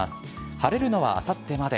晴れるのはあさってまで。